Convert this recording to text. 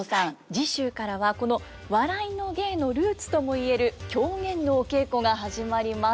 次週からはこの笑いの芸のルーツともいえる狂言のお稽古が始まります。